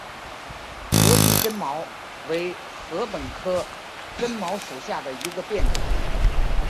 戈壁针茅为禾本科针茅属下的一个变种。